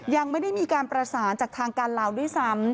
ยังไม่ได้มีการประสานจากทางการลาวด้วยซ้ำ